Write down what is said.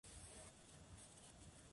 エラー何回目ですか